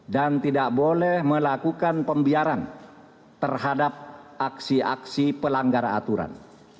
tidak boleh melakukan pembiaran terhadap aksi aksi pelanggar aturan